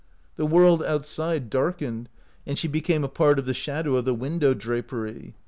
The world out side darkened, and she became a part of the shadow of the window drapery.